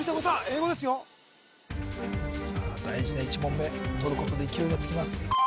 英語ですよさあ大事な１問目とることで勢いがつきます